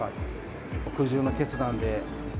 苦渋の決断で。